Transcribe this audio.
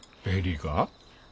ベリーが？